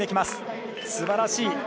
すばらしい！